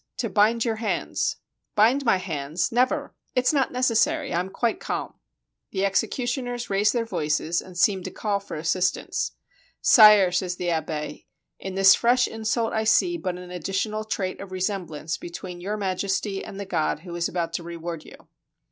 "To bind your hands." "Bind my hands! Never! It's not necessary; I am quite calm." The executioners raise their voices, and seem to call for assistance. "Sire," says the abbe, "in this fresh insult I see but an addi tional trait of resemblance between Your Majesty and the God who is about to reward you."